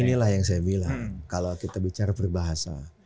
inilah yang saya bilang kalau kita bicara berbahasa